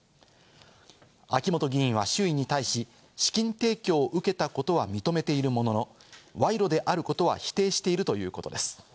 秋本元議員は周囲に対し、資金提供を受けたことは認めているものの、賄賂であることは否定しているということです。